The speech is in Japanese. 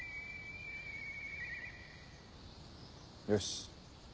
よし。